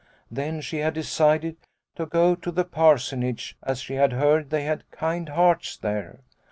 Then she had decided to go to the Parsonage as she had heard they had kind hearts there.